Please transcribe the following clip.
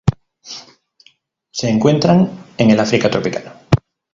Se encuentran en el África tropical.